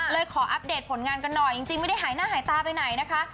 ขออัปเดตผลงานกันหน่อยจริงไม่ได้หายหน้าหายตาไปไหนนะคะ